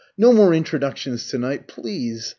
No more introductions to night, please.